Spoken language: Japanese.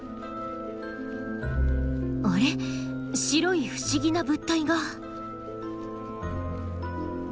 白い不思議な物体が。